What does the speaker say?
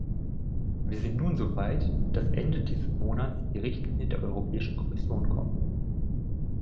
Wir sind nun soweit, dass Ende dieses Monats die Richtlinien der Europäischen Kommission kommen.